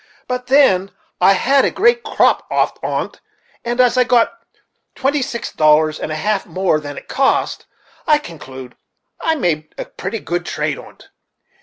But then I had a great crop oft on't, and as I got twenty six dollars and a half more than it cost, I conclude I made a pretty good trade on't."